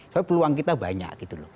tapi peluang kita banyak gitu loh